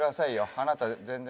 あなた全然。